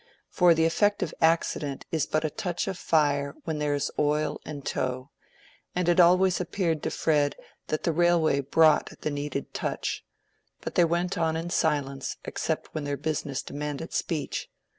For the effective accident is but the touch of fire where there is oil and tow; and it always appeared to Fred that the railway brought the needed touch. But they went on in silence except when their business demanded speech.